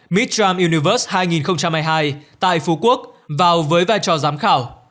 mid tramp universe hai nghìn hai mươi hai tại phú quốc vào với vai trò giám khảo